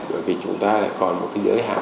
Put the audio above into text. bởi vì chúng ta lại còn một cái giới hạn